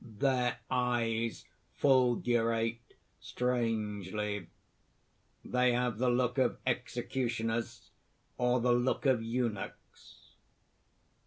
Their eyes fulgurate strangely. They have the look of executioners, or the look of eunuchs.